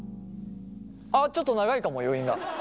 あっちょっと長いかも余韻が。